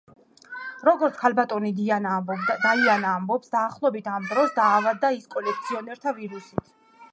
როგორც ქალბატონი დაიანა ამბობს, დაახლოებით ამ დროს დაავადდა ის კოლექციონერთა ვირუსით.